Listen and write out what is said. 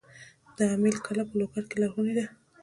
د امیل کلا په لوګر کې لرغونې ده